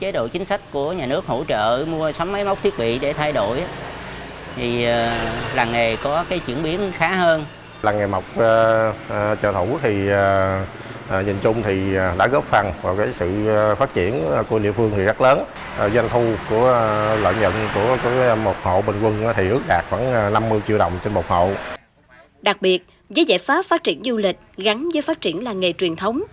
đặc biệt giới giải pháp phát triển du lịch gắn với phát triển làng nghề truyền thống